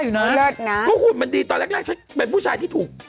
อยู่นะงั้นนะก็ขอบมันดีตอนแรกแรกแผ่งผู้ชายที่ถูก